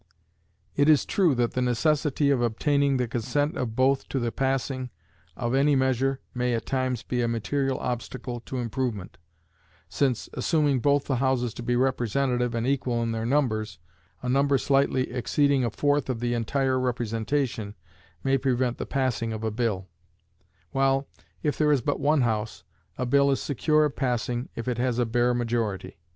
It is true that the necessity of obtaining the consent of both to the passing of any measure may at times be a material obstacle to improvement, since, assuming both the houses to be representative and equal in their numbers, a number slightly exceeding a fourth of the entire representation may prevent the passing of a bill; while, if there is but one house, a bill is secure of passing if it has a bare majority.